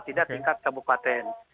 tidak tingkat kabupaten